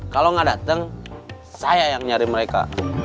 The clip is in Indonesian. kalau nggak datang saya yang nyari mereka